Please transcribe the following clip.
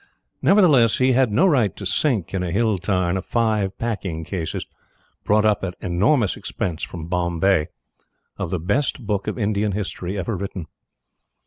Nevertheless, he had no right to sink, in a hill tarn, five packing cases, brought up at enormous expense from Bombay, of the best book of Indian history ever written.